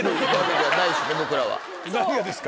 何がですか？